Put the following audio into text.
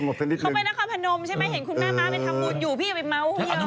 เห็นคุณแม่ม้าไปทำบุตรอยู่พี่ไปเมาะเยอะ